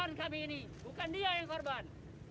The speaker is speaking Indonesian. bukan kami ini bukan dia yang korban